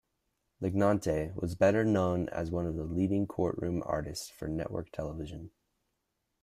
Lignante was better known as one of the leading courtroom artists for network television.